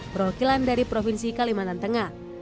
perwakilan dari provinsi kalimantan tengah